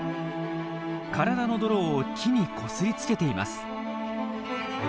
体の泥を木にこすりつけています。